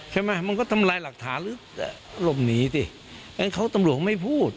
ใช่ไหมมันก็ทำลายหลักฐานเอ๊ะลมหนีติคงเขาตำลี่ไม่พูด